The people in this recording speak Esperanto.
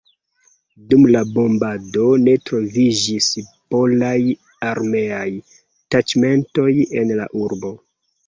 Dum la bombado ne troviĝis polaj armeaj taĉmentoj en la urbo.